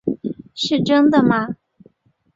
是真的吗？